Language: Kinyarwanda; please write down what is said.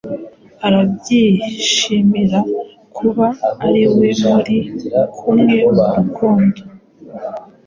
Arabyishimira kuba ari we muri kumwe mu rukundo